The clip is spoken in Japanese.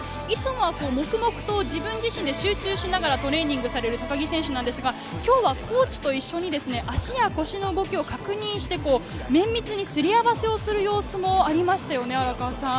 いつもは黙々と自分自身で集中しながらトレーニングされる高木選手ですが、今日はコーチと一緒に足や腰の動きを確認して綿密に擦り合わせをする様子もありましたよね。